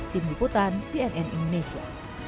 tim liputan cnn indonesia